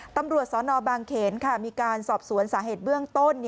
ตำรวจสนบางเขนมีการสอบสวนสาเหตุเบื้องต้น